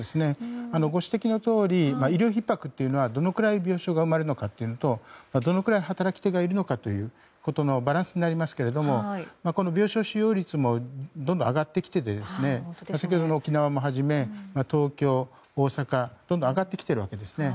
ご指摘のとおり医療ひっ迫というのはどのくらい病床が埋まるのかというのとどのくらい働き手がいるのかというバランスになりますけども病床使用率もどんどん上がってきて先ほどの沖縄をはじめ東京、大阪とどんどん上がってきているわけですね。